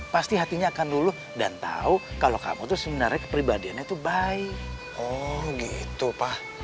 pasti hatinya akan luluh dan tahu kalau kamu tuh sebenarnya kepribadiannya itu baik oh gitu pak